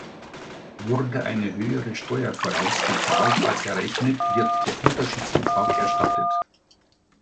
Wurde eine höhere Steuer voraus gezahlt als errechnet, wird der Unterschiedsbetrag erstattet.